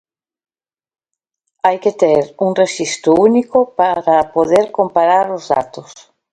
Hai que ter un rexistro único para poder comparar os datos.